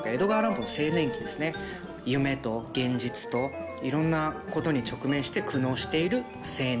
夢と現実といろんなことに直面して苦悩している青年。